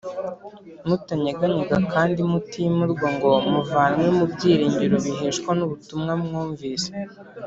mutanyeganyega kandi mutimurwa ngo muvanwe mu byiringiro biheshwa n’ubutumwa mwumvise